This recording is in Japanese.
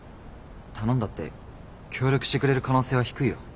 頼んだって協力してくれる可能性は低いよ。